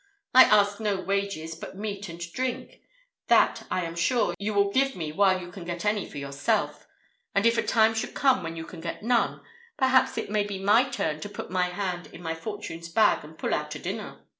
I ask no wages but meat and drink. That, I am sure, you will give me while you can get any for yourself; and if a time should come when you can get none, perhaps it may be my turn to put my hand in fortune's bag, and pull out a dinner.